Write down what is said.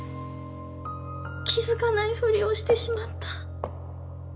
気付かないふりをしてしまった。